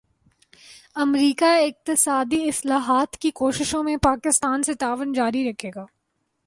امریکا اقتصادی اصلاحات کی کوششوں میں پاکستان سے تعاون جاری رکھے گا